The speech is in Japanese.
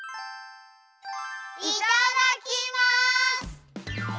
いただきます！